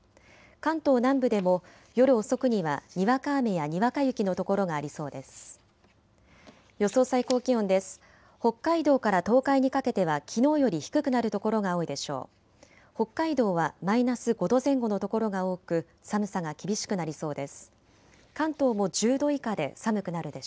関東南部でも夜遅くにはにわか雨やにわか雪の所がありそうです。